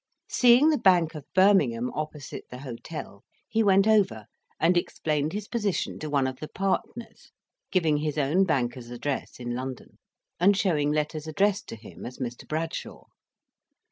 Seeing the Bank of Birmingham opposite the hotel, he went over and explained his position to one of the partners, giving his own banker's address in London, and showing letters addressed to him as Mr. Bradshaw.